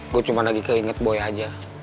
gue cuma lagi keinget buaya aja